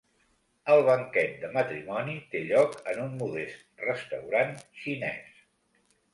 El banquet de matrimoni té lloc en un modest restaurant xinès.